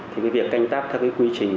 thì cái việc canh táp theo cái quy trình